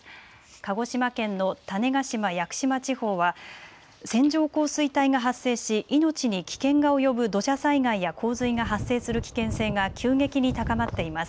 鹿児島県の種子島・屋久島地方は線状降水帯が発生し命に危険が及ぶ土砂災害や洪水が発生する危険性が急激に高まっています。